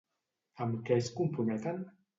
Amb què es comprometen?